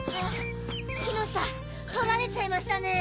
木の下取られちゃいましたね。